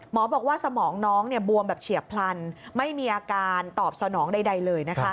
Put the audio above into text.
บอกว่าสมองน้องบวมแบบเฉียบพลันไม่มีอาการตอบสนองใดเลย